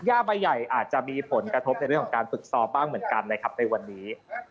ย่าใบใหญ่อาจจะมีผลกระทบในเรื่องของการฝึกซ้อมบ้างเหมือนกันนะครับในวันนี้